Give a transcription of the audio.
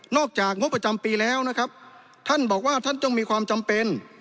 นอกจากงบประจำปีแล้วท่านบอกว่าท่านต้องมีความจำเป็น